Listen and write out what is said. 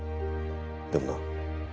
でもな。